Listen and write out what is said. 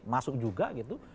masuk juga gitu